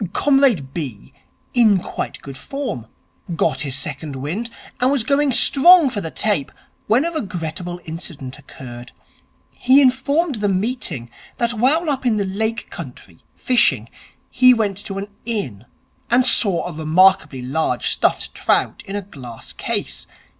Comrade B. in quite good form. Got his second wind, and was going strong for the tape, when a regrettable incident occurred. He informed the meeting, that while up in the Lake country, fishing, he went to an inn and saw a remarkably large stuffed trout in a glass case.